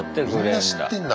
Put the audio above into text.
みんな知ってんだ